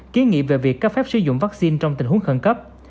ký nghị về việc cấp phép sử dụng vaccine trong tình huống khẩn cấp